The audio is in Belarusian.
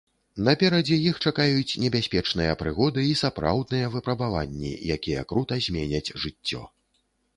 Наперадзе іх чакаюць небяспечныя прыгоды і сапраўдныя выпрабаванні, якія крута зменяць жыццё.